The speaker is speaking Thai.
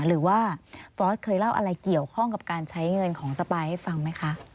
หรือว่าฟอร์สเคยเล่าอะไรเกี่ยวข้องกับการใช้เงินของสปายให้ฟังไหมคะ